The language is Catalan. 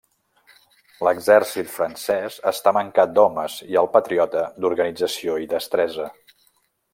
L'exèrcit francès està mancat d'homes i el patriota, d'organització i destresa.